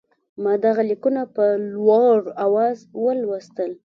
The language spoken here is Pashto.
ما دغه لیکونه په لوړ آواز ولوستل.